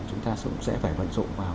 chúng ta cũng sẽ phải vận dụng vào